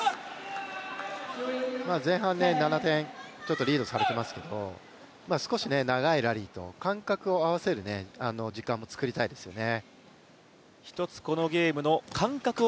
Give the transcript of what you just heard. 前半７点、少しリードされていますけれども少し長いラリーと、間隔を合わせる時間も作りたいですよね。